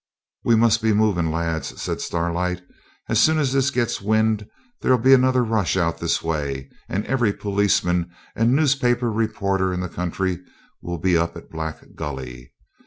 'We must be moving, lads,' said Starlight. 'As soon as this gets wind there'll be another rush out this way, and every policeman and newspaper reporter in the country will be up at Black Gully.